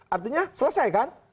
artinya selesai kan